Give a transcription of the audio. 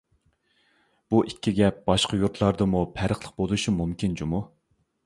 بۇ ئىككى گەپ باشقا يۇرتلاردىمۇ پەرقلىق بولۇشى مۇمكىن جۇمۇ.